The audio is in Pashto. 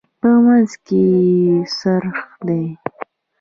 په منځ کې یې څرخ دی.